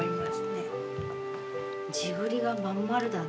地栗が真ん丸だね。